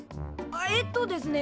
えっとですね。